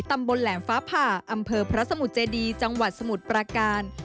ตำบลแหลมฟ้าผ่าอำเภอพระสมุทรเจดีจังหวัดสมุทรปราการ